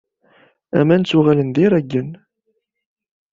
Aman ttuɣalen d iraggen.